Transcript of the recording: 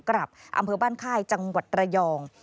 อำเภอบ้านค่ายจังหวัดระยอง